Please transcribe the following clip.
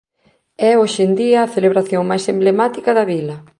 É hoxe en día a celebración máis emblemática da vila.